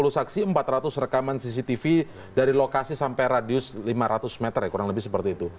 sepuluh saksi empat ratus rekaman cctv dari lokasi sampai radius lima ratus meter ya kurang lebih seperti itu